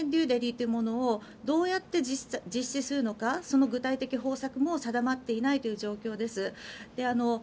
デリーというものをどうやって実施するのか具体的方策も定まっていない状況です。